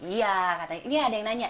iya katanya ini ada yang nanya